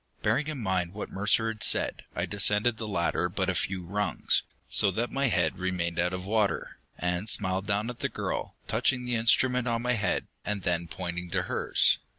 Bearing in mind what Mercer had said, I descended the ladder but a few rungs, so that my head remained out of water, and smiled down at the girl, touching the instrument on my head, and then pointing to hers.